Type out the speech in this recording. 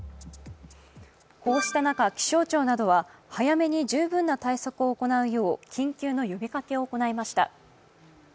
こうした中、気象庁などは早めに十分な対策を行うよう緊急の呼びかけを行いました。